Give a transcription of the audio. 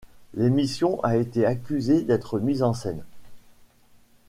L'émission a été accusée d'être mise en scène.